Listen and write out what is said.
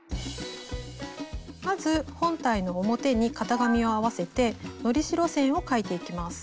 まず本体の表に型紙を合わせてのり代線を描いていきます。